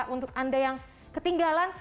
untuk anda yang ketinggalan